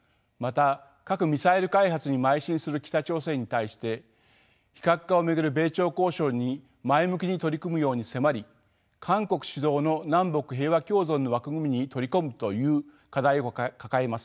また核ミサイル開発にまい進する北朝鮮に対して非核化を巡る米朝交渉に前向きに取り組むように迫り韓国主導の南北平和共存の枠組みに取り込むという課題を抱えます。